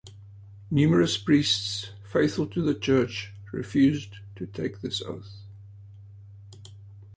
Numerous priests, faithful to the Church, refused to take this oath.